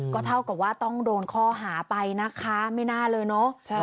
ก็เท่ากับว่าต้องโดนข้อหาไปนะคะไม่น่าเลยเนอะ